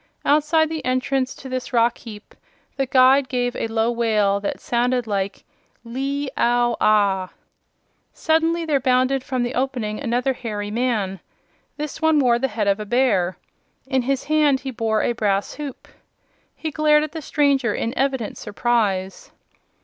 Outside the entrance to this rock heap the guide gave a low wail that sounded like "Lee ow ah!" Suddenly there bounded from the opening another hairy man. This one wore the head of a bear. In his hand he bore a brass hoop. He glared at the stranger in evident surprise.